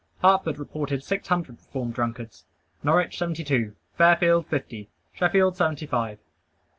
Hartford reported six hundred reformed drunkards; Norwich, seventy two; Fairfield, fifty; Sheffield, seventy five.